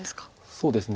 そうですね。